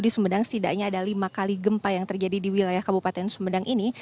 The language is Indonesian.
di sumedang setidaknya ada lima kali gempa yang terjadi di wilayah kabupaten sumedang ini